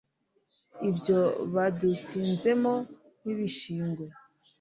ibyobo Badutinzemo nkibishingwe